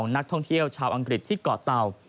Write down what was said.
นักท่องเที่ยวชาวอังกฤษที่เกาะเตา